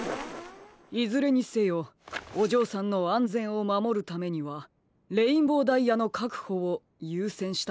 いずれにせよおじょうさんのあんぜんをまもるためにはレインボーダイヤのかくほをゆうせんしたほうがいいですね。